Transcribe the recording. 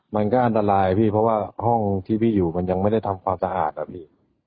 มันก็อันตรายพี่เพราะว่าห้องที่พี่อยู่มันยังไม่ได้ทำความสะอาดอะพี่